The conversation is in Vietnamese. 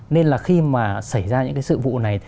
nên là khi mà xảy ra những cái sự vụ này